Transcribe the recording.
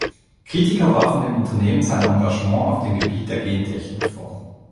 Kritiker warfen dem Unternehmen sein Engagement auf dem Gebiet der Gentechnik vor.